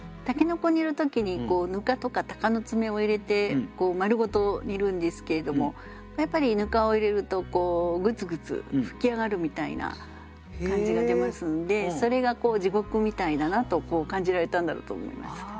筍煮る時に糠とかたかの爪を入れて丸ごと煮るんですけれどもやっぱり糠を入れるとグツグツ噴き上がるみたいな感じが出ますんでそれがこう地獄みたいだなと感じられたんだろうと思います。